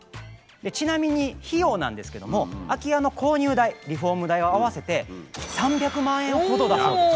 ちなみに費用なんですけども空き家の購入代リフォーム代を合わせて３００万円ほどだそうです。